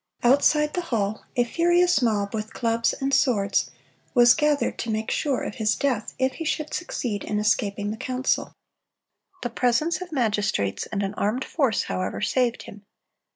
Outside the hall, a furious mob, with clubs and swords, was gathered to make sure of his death if he should succeed in escaping the council. The presence of magistrates and an armed force, however, saved him.